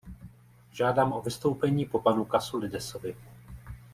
Žádám o vystoupení po panu Kasoulidesovi.